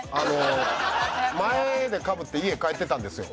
前でかぶって家帰ってたんですよ。